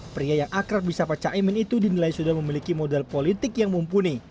pria yang akrab bisa pecah iman itu dinilai sudah memiliki modal politik yang mumpuni